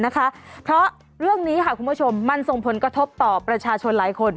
ข้อเรื่องนี้ขอคุณผู้ชมมันส่งผลกระทบต่อประชาชนหลายคน